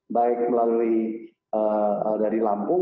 baik melalui dari lampung